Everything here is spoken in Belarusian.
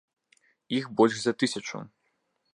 Іх больш за тысячу.